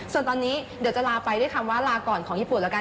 ส่วนตอนนี้เดี๋ยวจะลาไปด้วยคำว่าลาก่อนของญี่ปุ่นแล้วกัน